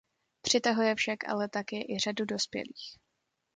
Přitahuje však ale také i řadu dospělých.